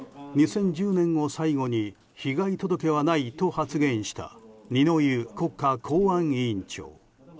２０１０年を最後に被害届はないと発言した二之湯国家公安委員長。